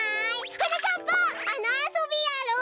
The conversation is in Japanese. はなかっぱあのあそびやろう！